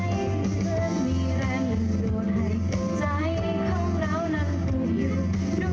เพื่อนมีแรงนั้นโดนให้ใจของเรานั้นคู่อยู่ด้วยกัน